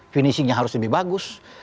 finishingnya harus lebih bagus